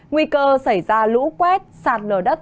nguy cơ xảy ra lũ quét sạt lửa đất